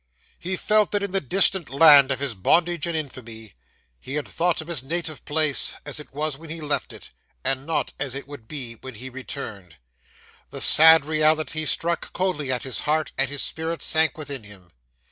'He felt that in the distant land of his bondage and infamy, he had thought of his native place as it was when he left it; and not as it would be when he returned. The sad reality struck coldly at his heart, and his spirit sank within him.